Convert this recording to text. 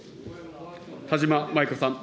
田島麻衣子さん。